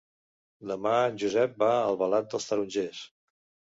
Demà en Josep va a Albalat dels Tarongers.